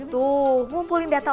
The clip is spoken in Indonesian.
tuh ngumpulin data orang